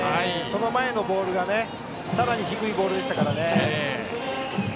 その前のボールがさらに低いボールでしたから。